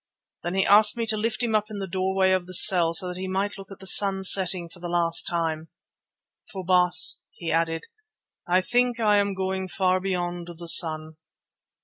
Then he asked me to lift him up in the doorway of the cell so that he might look at the sun setting for the last time, "for, Baas," he added, "I think I am going far beyond the sun."